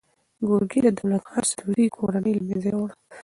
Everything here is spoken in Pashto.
ګورګین د دولت خان سدوزي کورنۍ له منځه یووړه.